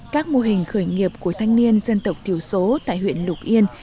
các mô hình khởi nghiệp của thanh niên dân tộc thiểu số tại huyện lục yên